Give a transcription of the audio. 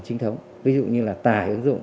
chính thống ví dụ như là tài ứng dụng